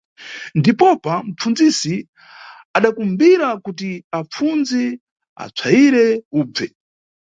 Ndipopa, mʼpfundzisi adakumbira kuti apfundzi apsayire ubve.